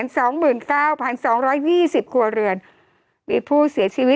โทษทีน้องโทษทีน้อง